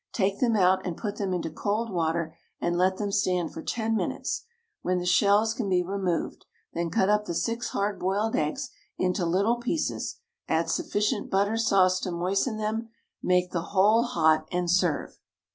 Take them out and put them into cold water and let them stand for ten minutes, when the shells can be removed; then cut up the six hard boiled eggs into little pieces, add sufficient butter sauce to moisten them, make the whole hot, and serve.